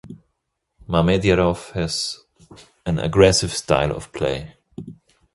Mamedyarov has an aggressive style of play.